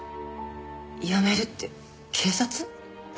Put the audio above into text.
辞めるって警察？